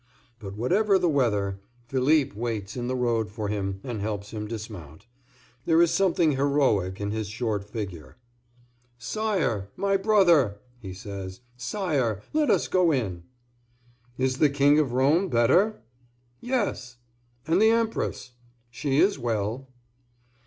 But whatever the weather, Philippe waits in the road for him and helps him dismount. There is something heroic in his short figure. "Sire, my brother!" he says;—"Sire let us go in!" "Is the King of Rome better?" "Yes." "And the Empress?" "She is well."